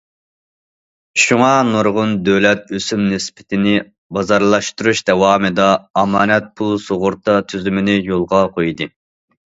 شۇڭا نۇرغۇن دۆلەت ئۆسۈم نىسبىتىنى بازارلاشتۇرۇش داۋامىدا ئامانەت پۇل سۇغۇرتا تۈزۈمىنى يولغا قويدى.